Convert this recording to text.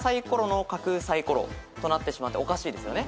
となってしまっておかしいですよね。